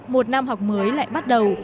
một năm học mới lại bắt đầu